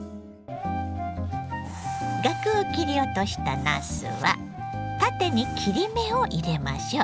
ガクを切り落としたなすは縦に切り目を入れましょう。